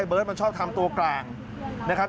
เบิร์ตมันชอบทำตัวกลางนะครับ